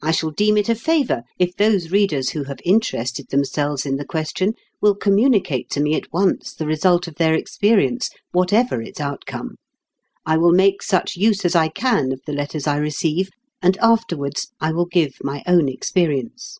I shall deem it a favour if those readers who have interested themselves in the question will communicate to me at once the result of their experience, whatever its outcome. I will make such use as I can of the letters I receive, and afterwards I will give my own experience.